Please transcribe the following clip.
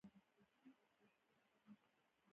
شپه او ورځ له هغو سره تېروم په پښتو ژبه.